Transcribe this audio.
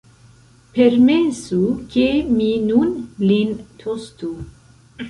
Permesu, ke mi nun lin tostu!